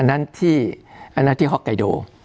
อันนั้นที่ฮอกไกโด